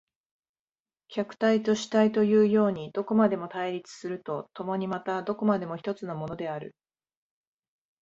客体と主体というようにどこまでも対立すると共にまたどこまでも一つのものである。